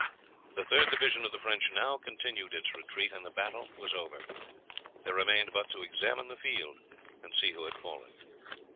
The third division of the French now continued its retreat, and the battle was over. There remained but to examine the field and see who had fallen.